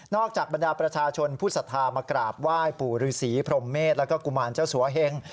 จากบรรดาประชาชนผู้สัทธามากราบไหว้ปู่ฤษีพรมเมษแล้วก็กุมารเจ้าสัวเฮง